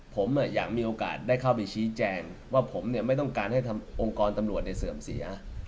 ผมอยากมีโอกาสได้เข้าไปชี้แจงว่าผมไม่ต้องการให้องค์กรตำรวจเสื่อมเสีย